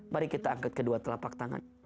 mari kita angkat kedua telapak tangan